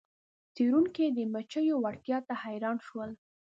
څیړونکي د مچیو وړتیا ته حیران شول.